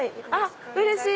うれしい！